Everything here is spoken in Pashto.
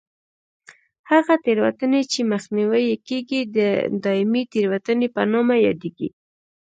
هغه تېروتنې چې مخنیوی یې کېږي د دایمي تېروتنې په نامه یادېږي.